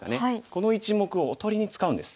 この１目をおとりに使うんです。